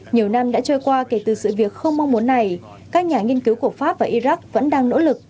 nhiều năm đã trôi qua kể từ sự việc không mong muốn này các nhà nghiên cứu của pháp và iraq vẫn đang nỗ lực